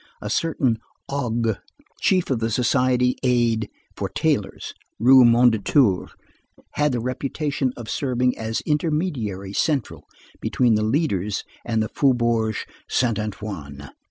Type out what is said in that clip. A certain Aug—, chief of the Society aid for tailors, Rue Mondétour, had the reputation of serving as intermediary central between the leaders and the Faubourg Saint Antoine.